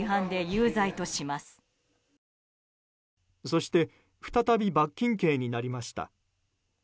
そして再び罰金刑になりました。